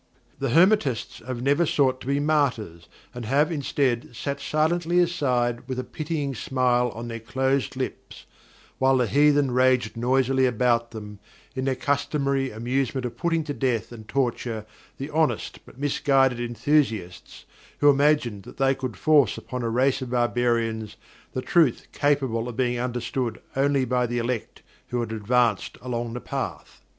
The Hermetists have never sought to be martyrs, and have, instead, sat silently aside with a pitying smile on their closed lips, while the "heathen raged noisily about them" in their customary amusement of putting to death and torture the honest but misguided enthusiasts who imagined that they could force upon a race of barbarians the truth capable of being understood only by the elect who had advanced along The Path.